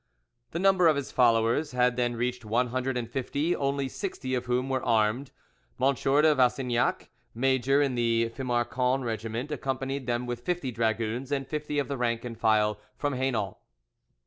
The number of his followers had then reached one hundred and fifty, only sixty of whom were armed. M. de Vassiniac, major in the Fimarcn regiment, accompanied them with fifty dragoons and fifty of the rank and file from Hainault.